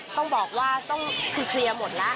ต้องบอกว่าต้องคือเคลียร์หมดแล้ว